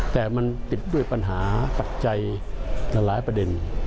แต่มันติดด้วยปัญหาปัจจัยหลายประเด็น